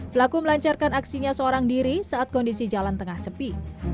pelaku melancarkan aksinya seorang diri saat kondisi jalan tengah sepi